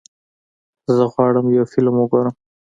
زه غواړم یو فلم وګورم.